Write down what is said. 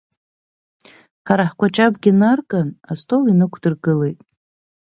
Ҳара ҳкәаҷабгьы нарган астол инықәдыргылеит.